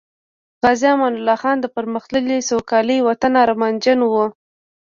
غازی امان الله خان د پرمختللي، سوکالۍ وطن ارمانجن وو